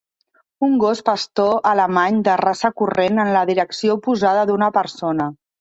Un gos pastor alemany de raça corrent en la direcció oposada d"una persona.